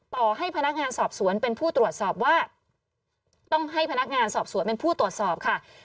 ต่อให้พนักงานสอบสวนเป็นผู้ตรวจสอบว่า